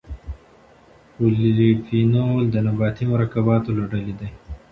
پولیفینول د نباتي مرکباتو له ډلې دي.